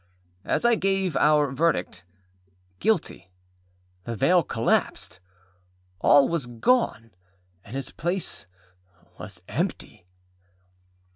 As I gave in our verdict, âGuilty,â the veil collapsed, all was gone, and his place was empty.